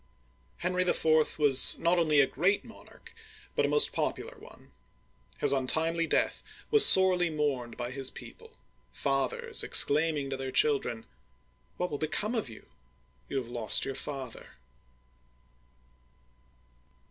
Henry IV. was not only a great monarch but a most popular one. His untimely death was sorely mourned by his people, fathers exclaiming to their children :What will become of you ? You have lost your father